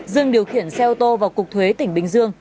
dương điều khiển xe ô tô vào cục thuế tỉnh bình dương